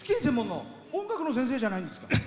音楽の先生じゃないんですか？